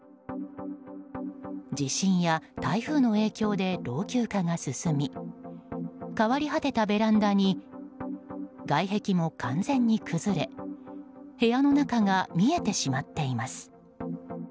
地震や台風の影響で老朽化が進み変わり果てたベランダに外壁も完全に崩れ部屋の中が見えてしまっています。